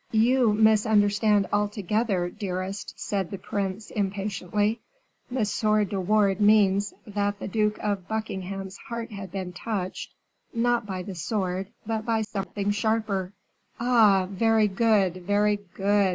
"You misunderstand altogether, dearest," said the prince, impatiently; "M. de Wardes means that the Duke of Buckingham's heart had been touched, not by the sword, but by something sharper." "Ah! very good, very good!"